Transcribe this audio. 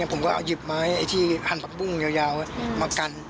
ผมก็เอาหยิบไม้ไอ้ที่หั่นผักบุ้งยาวมากัน